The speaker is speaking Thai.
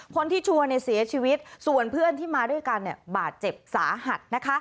ชัวร์เสียชีวิตส่วนเพื่อนที่มาด้วยกันบาดเจ็บสาหัสนะคะ